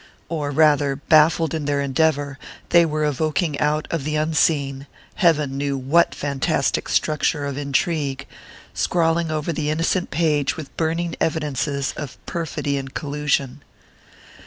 Or rather, baffled in their endeavour, they were evoking out of the unseen, heaven knew what fantastic structure of intrigue scrawling over the innocent page with burning evidences of perfidy and collusion....